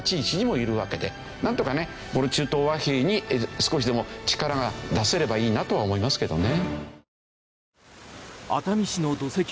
なんとかね中東和平に少しでも力が出せればいいなとは思いますけどね。